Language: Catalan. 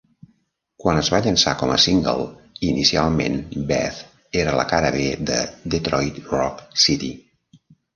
Quan es va llançar com a single, inicialment "Beth" era la cara B de "Detroit Rock City".